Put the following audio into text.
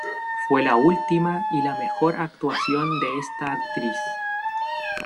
Fue la última y la mejor actuación de esta actriz.